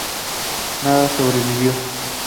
Nada sobrevivió.